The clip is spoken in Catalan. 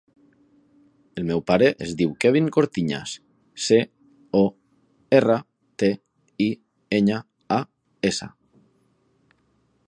El meu pare es diu Kevin Cortiñas: ce, o, erra, te, i, enya, a, essa.